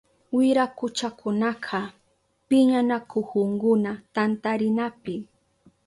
Wirakuchakunaka piñanakuhunkuna tantarinapi.